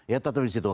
ya tetapi disitu